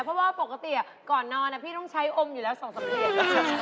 เพราะว่าปกติก่อนนอนพี่ต้องใช้อมอยู่แล้ว๒๓เพลง